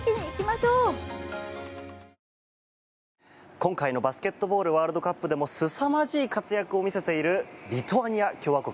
今回のバスケットボールワールドカップでもすさまじい活躍を見せているリトアニア共和国。